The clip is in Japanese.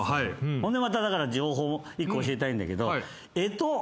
ほんでまただから情報１個教えたいんだけど干支。